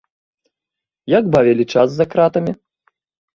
Як бавілі час за кратамі?